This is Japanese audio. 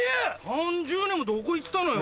３０年もどこ行ってたのよ。